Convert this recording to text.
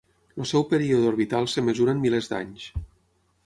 El seu període orbital es mesura en milers d'anys.